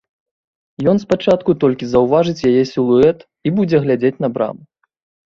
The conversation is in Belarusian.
Ён спачатку толькі заўважыць яе сілуэт і будзе глядзець на браму.